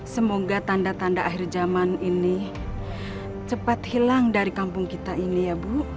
semoga tanda tanda akhir zaman ini cepat hilang dari kampung kita ini ya bu